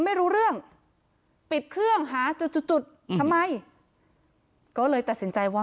ไม่รู้เรื่องปิดเครื่องหาจุดจุดจุดทำไมก็เลยตัดสินใจว่า